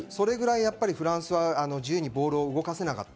フランスは自由にボールを動かせなかった。